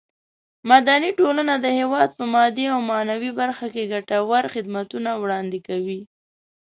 مدني ټولنه د هېواد په مادي او معنوي برخه کې ګټور خدمتونه وړاندې کوي.